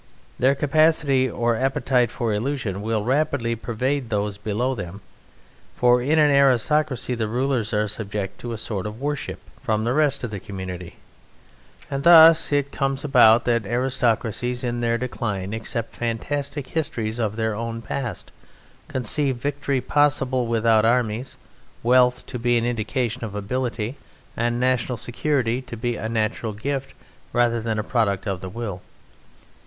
Their capacity or appetite for illusion will rapidly pervade those below them, for in an aristocracy the rulers are subjected to a sort of worship from the rest of the community, and thus it comes about that aristocracies in their decline accept fantastic histories of their own past, conceive victory possible without armies, wealth to be an indication of ability, and national security to be a natural gift rather than a product of the will.